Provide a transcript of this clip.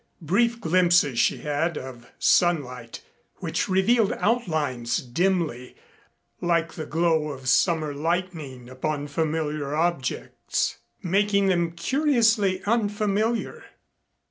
Brief glimpses she had of sunlight, which revealed outlines dimly, like the glow of summer lightning upon familiar objects, making them curiously unfamiliar.